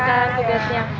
terima kasih bu